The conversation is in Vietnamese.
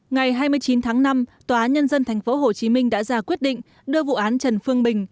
ngày hai mươi chín tháng năm tòa nhân dân tp hcm đã ra quyết định đưa vụ án trần phương bình